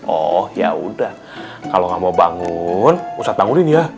oh yaudah kalau gak mau bangun ustadz bangunin ya